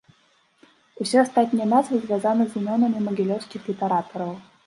Усе астатнія назвы звязаны з імёнамі магілёўскіх літаратараў.